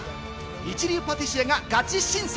一流パティシエがガチ審査！